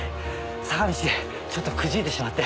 坂道でちょっとくじいてしまって。